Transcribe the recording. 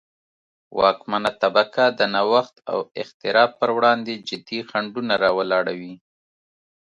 واکمنه طبقه د نوښت او اختراع پروړاندې جدي خنډونه را ولاړوي.